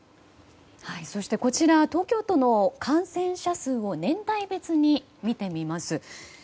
そして、こちら東京都の感染者数を年代別に見てみます。